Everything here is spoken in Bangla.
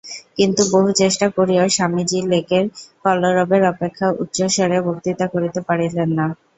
কিন্তু বহু চেষ্টা করিয়াও স্বামীজী লোকের কলরবের অপেক্ষা উচ্চৈঃস্বরে বক্তৃতা করিতে পারিলেন না।